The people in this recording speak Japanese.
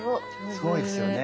すごいですよね？